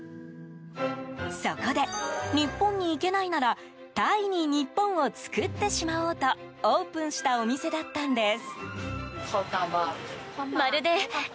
そこで、日本に行けないならタイに日本を作ってしまおうとオープンしたお店だったんです。